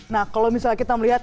nah kalau misalnya kita melihat